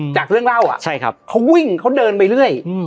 จากเรื่องเล่าอ่ะใช่ครับเขาวิ่งเขาเดินไปเรื่อย